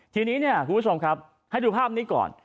ทีนี้เนี่ยคุณผู้ชมครับให้ดูภาพนี้ก่อน